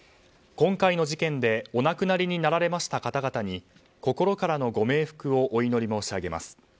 今回の事件でお亡くなりになられました方々に心からのご冥福をお祈り申し上げます。